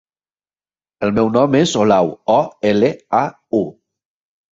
El meu nom és Olau: o, ela, a, u.